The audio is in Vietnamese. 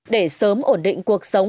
để sớm ổn định cuộc sống